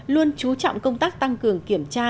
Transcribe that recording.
luôn chú trọng công tác tăng cường kiểm tra